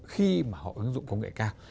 khi mà họ ứng dụng công nghệ cao